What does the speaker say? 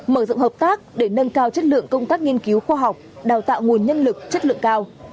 mở rộng hợp tác để nâng cao chất lượng công tác nghiên cứu khoa học đào tạo nguồn nhân lực chất lượng cao